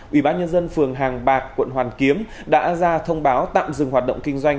ủy ban nhân dân phường hàng bạc quận hoàn kiếm đã ra thông báo tạm dừng hoạt động kinh doanh